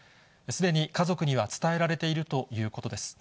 すでに家族には伝えられているということです。